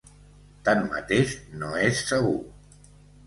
Tanmateix, no és segur.